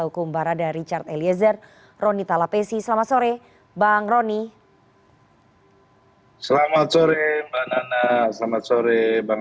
hukum barada richard eliezer roni talapesi selamat sore bang roni selamat sore mbak nana selamat sore bang